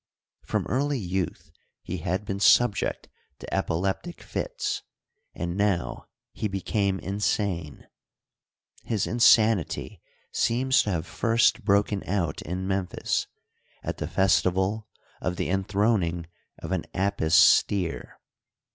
From eaiiy youth he had been subject to epileptic nts, and now he became insane. His insanity seems to have fir^t broken out in Memphis* at the festival of the enthroning of an Apis steer.